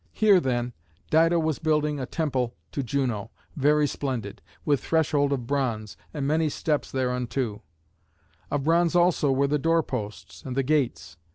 Here, then, Dido was building a temple to Juno, very splendid, with threshold of bronze, and many steps thereunto; of bronze also were the door posts and the gates.